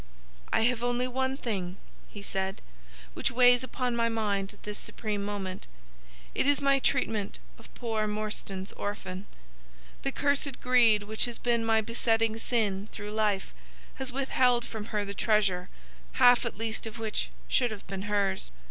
"'I have only one thing,' he said, 'which weighs upon my mind at this supreme moment. It is my treatment of poor Morstan's orphan. The cursed greed which has been my besetting sin through life has withheld from her the treasure, half at least of which should have been hers.